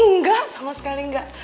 nggak sama sekali enggak